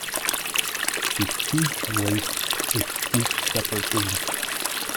To teach race is to teach separatism.